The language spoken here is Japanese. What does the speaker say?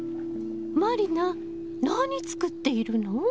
満里奈何作っているの？